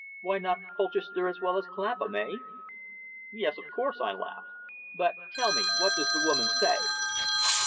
"Why not Colchester as well as Clapham eh?" "Yes, of course," I laughed. "But, tell me, what does the woman say?"